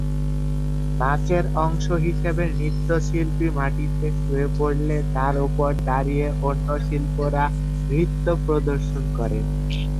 নাচের অংশ হিসেবে নৃত্যশিল্পী মাটিতে শুয়ে পড়লে তার ওপর দাঁড়িয়ে অন্য শিল্পীরা নৃত্য প্রদর্শন করেন।